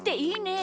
え！